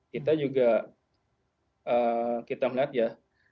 kita juga kita melihat ya